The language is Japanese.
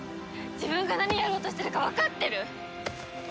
自分が何をやろうとしてるかわかってる！？